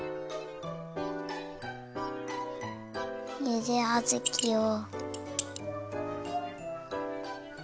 ゆであずきを。